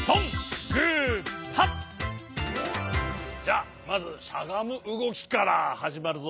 じゃまずしゃがむうごきからはじまるぞ。